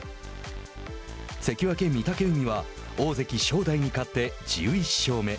関脇・御嶽海は大関・正代に勝って１１勝目。